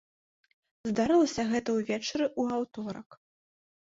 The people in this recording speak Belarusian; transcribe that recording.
Здарылася гэта ўвечары ў аўторак.